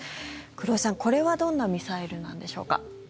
黒井さん、これはどんなミサイルなんでしょうか。